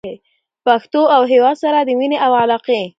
پښتو او هېواد سره د مینې او علاقې